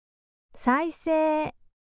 再生！